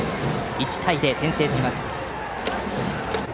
１対０、先制します。